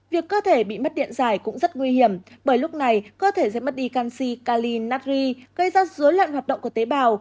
việc cơ thể bị mất điện dài cũng rất nguy hiểm bởi lúc này cơ thể sẽ mất đi canxi calinatri gây ra dối loạn hoạt động của tế bào